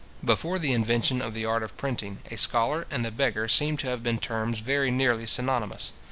Before the invention of the art of printing, a scholar and a beggar seem to have been terms very nearly synonymous.